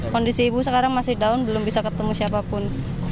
kondisi ibu sekarang masih down belum bisa ketemu siapapun